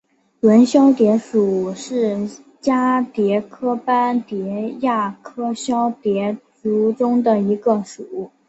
纹绡蝶属是蛱蝶科斑蝶亚科绡蝶族中的一个属。